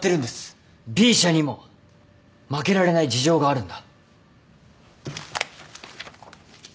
Ｂ社にも負けられない事情があるんだ。